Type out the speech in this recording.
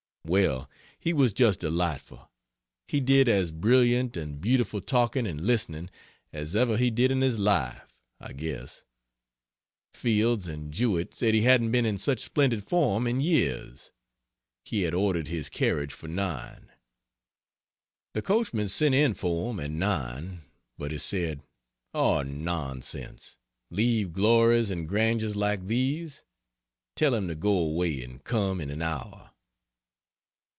Well, he was just delightful! He did as brilliant and beautiful talking (and listening) as ever he did in his life, I guess. Fields and Jewett said he hadn't been in such splendid form in years. He had ordered his carriage for 9. The coachman sent in for him at 9; but he said, "Oh, nonsense! leave glories and grandeurs like these? Tell him to go away and come in an hour!"